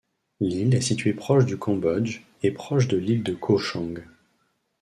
L'île est située proche du Cambodge et proche de l'île de Ko Chang.